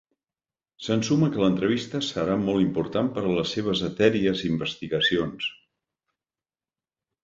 S'ensuma que l'entrevista serà molt important per a les seves etèries investigacions.